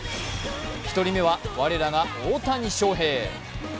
１人目は我らが大谷翔平。